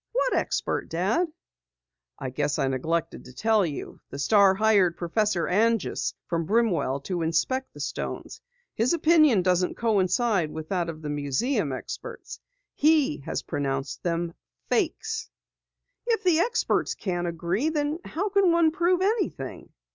"What expert, Dad?" "I guess I neglected to tell you. The Star hired Professor Anjus from Brimwell to inspect the stones. His opinion doesn't coincide with that of the museum experts. He has pronounced them fakes." "If the experts can't agree, then how can one prove anything?"